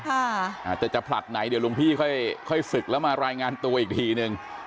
อาจจะจะผลัดไหนเดี๋ยวหลวงพี่ค่อยค่อยศึกแล้วมารายงานตัวอีกทีนึง